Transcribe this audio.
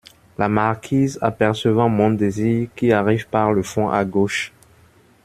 La Marquise , apercevant Montdésir, qui arrive par le fond à gauche.